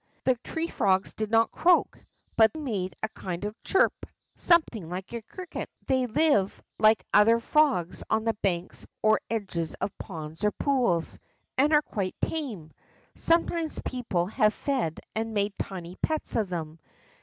The tree frogs did not croak, hut made a kind of chirp, something like a cricket. They live like other frogs on the hanks or edges of ponds or pools, and are quite tame. Sometimes people have fed and made tiny pets of them.